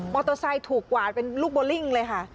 เตอร์ไซค์ถูกกวาดเป็นลูกโบลิ่งเลยค่ะ